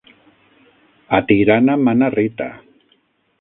A Tirana mana Rita.